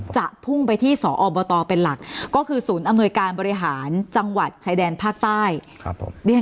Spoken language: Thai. พุ่งไปที่สอบตเป็นหลักก็คือศูนย์อำนวยการบริหารจังหวัดชายแดนภาคใต้